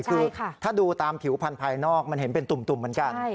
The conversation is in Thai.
คือถ้าดูตามผิวพันธภายนอกมันเห็นเป็นตุ่มเหมือนกัน